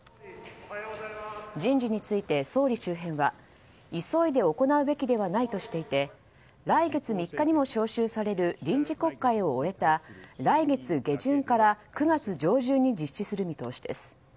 人事について総理周辺は急いで行うべきではないとしていて来月３日にも召集される臨時国会を終えた来月下旬から９月上旬に実施する見通しです。